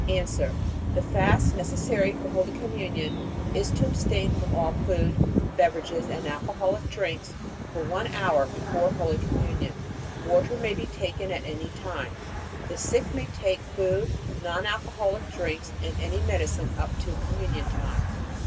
A. The fast necessary for Holy Communion is to abstain from all food, beverages, and alcoholic drinks for one hour before Holy Communion. Water may be taken at any time. The sick may take food, non alcoholic drinks, and any medicine up to Communion time.